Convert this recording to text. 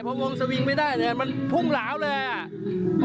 พอวงสวิงไม่ได้เนี่ยมันพุ่งหลาวเลยอ่ะ